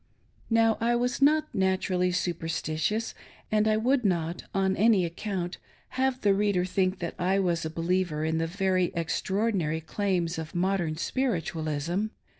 Now, I was not naturally superstitious, and I would not, on any account, have the reader think that I was a believer in the very extraordinary claims of modern Spiritualism.